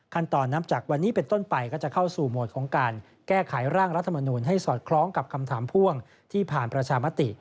นับจากวันนี้เป็นต้นไปก็จะเข้าสู่โหมดของการแก้ไขร่างรัฐมนูลให้สอดคล้องกับคำถามพ่วงที่ผ่านประชามติ